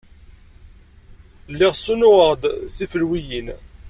Lliɣ ssunuɣeɣ-d tifelwiyin.